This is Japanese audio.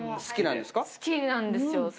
好きなんですよ。